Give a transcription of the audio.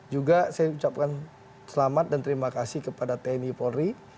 juga saya ucapkan selamat dan terima kasih kepada tni polri